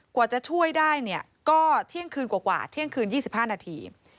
กว่าจะช่วยได้เนี่ยก็เที่ยงคืนกว่าเที่ยงคืน๒๕นาที